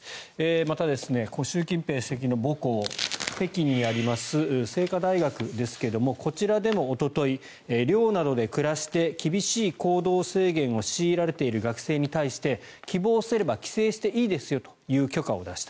また、習近平氏の母校北京にあります清華大学ですがこちらでもおととい寮などで暮らして厳しい行動制限を強いられている学生に対して希望すれば帰省していいですよという許可を出した。